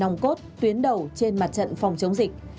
nòng cốt tuyến đầu trên mặt trận phòng chống dịch